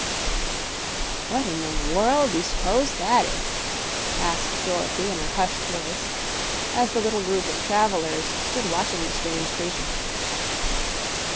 "What in the world do you s'pose that is?" asked Dorothy in a hushed voice, as the little group of travelers stood watching the strange creature.